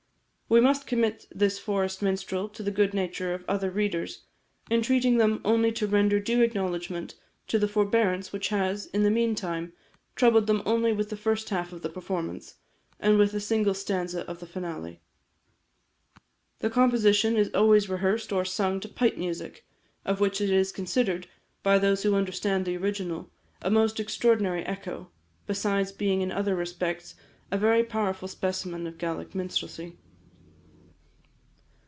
We must commit this forest minstrel to the good nature of other readers, entreating them only to render due acknowledgment to the forbearance which has, in the meantime, troubled them only with the first half of the performance, and with a single stanza of the finale. The composition is always rehearsed or sung to pipe music, of which it is considered, by those who understand the original, a most extraordinary echo, besides being in other respects a very powerful specimen of Gaelic minstrelsy.